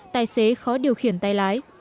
tài xế khó điều khiển tay lái